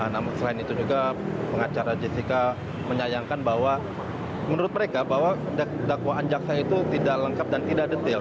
namun selain itu juga pengacara jessica menyayangkan bahwa menurut mereka bahwa dakwaan jaksa itu tidak lengkap dan tidak detail